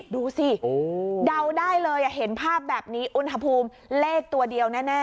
ดูสิเดาได้เลยเห็นภาพแบบนี้อุณหภูมิเลขตัวเดียวแน่